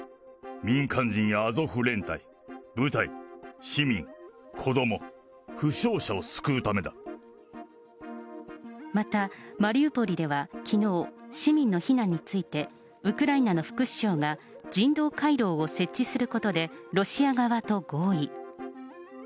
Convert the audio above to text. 民間人やアゾフ連隊、部隊、市民、子ども、また、マリウポリではきのう、市民の避難について、ウクライナの副首相が人道回廊を設置することでロシア側と合意。